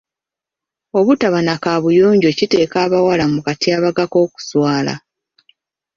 Obutaba na kaabuyonjo kiteeka abawala mu katyabaga k'okuswala.